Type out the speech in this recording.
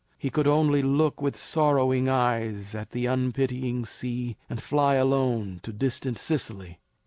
He could only look with sorrowing eyes at the unpitying sea, and fly on alone to distant Sicily.